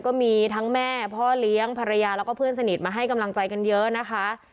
ก็มีทั้งแม่พ่อเลี้ยงภรรยาแล้วก็เพื่อนสนิทมาให้กำลังใจกันเยอะนะคะ